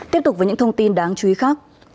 tiếp tục với những thông tin đáng chú ý khác